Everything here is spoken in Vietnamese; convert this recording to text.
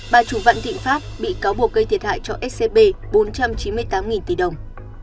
bà chủ vạn thịnh pháp bị cáo buộc gây thiệt hại cho scb bốn trăm chín mươi tám tỷ đồng